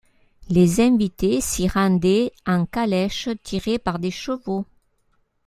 Les invités s'y rendaient en calèches tirées par des chevaux.